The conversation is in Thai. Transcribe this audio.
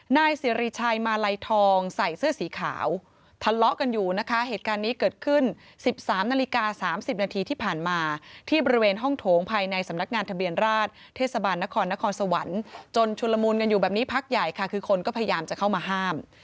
นายสิริชัยมาลัยทองใส่เสื้อสีขาวทะเลาะกันอยู่นะคะเหตุการณ์นี้เกิดขึ้น๑๓นาฬิกา๓๐นาทีที่ผ่านมาที่บริเวณห้องโถงภายในสำนักงานทะเบียนราชเทศบาลนครนครสวรรค์จนชุลมูลกันอยู่แบบนี้พักใหญ่ค่ะคือคนก็พยายามจะเข้ามาห้าม